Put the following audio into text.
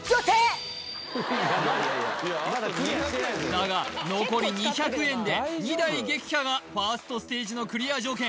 だが残り２００円で２台撃破がファーストステージのクリア条件